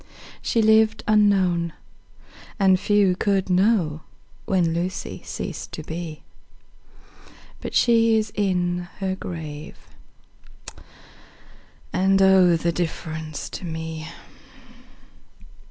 She lived unknown, and few could know When Lucy ceased to be; 10 But she is in her grave, and, oh, The difference to me!